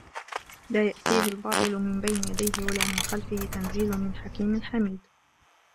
لا يَأتيهِ الباطِلُ مِن بَينِ يَدَيهِ وَلا مِن خَلفِهِ تَنزيلٌ مِن حَكيمٍ حَميدٍ